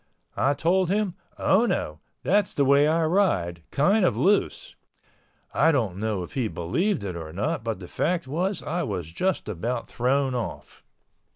I told him, "Oh no, that's the way I ride, kind of loose." I don't know if he believed it or not but the fact was I was just about thrown off.